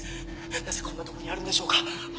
なぜこんな所にあるんでしょうか。